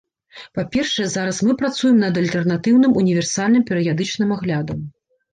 Па-першае, зараз мы працуем над альтэрнатыўным універсальным перыядычным аглядам.